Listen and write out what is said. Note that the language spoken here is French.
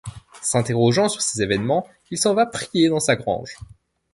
S'interrogeant sur ces événements, il s'en va prier dans sa grange.